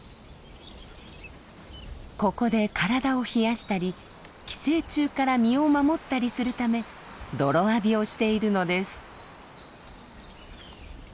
ここで体を冷やしたり寄生虫から身を守ったりするため泥浴びをしているのです。